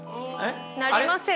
なりません。